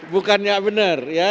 bukannya benar ya